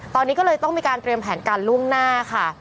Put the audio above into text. ตอนนี้ก็เลยต้องมีการเตรียมแผนการล่วงหน้าค่ะ